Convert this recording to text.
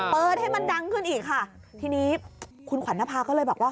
เปิดให้มันดังขึ้นอีกค่ะทีนี้คุณขวัญนภาก็เลยบอกว่า